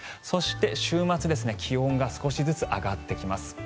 そして、週末気温が少しずつ上がってきます。